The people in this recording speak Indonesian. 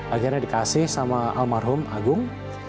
akhirnya dikasih sama almarhum agung